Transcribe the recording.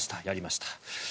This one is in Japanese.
やりました。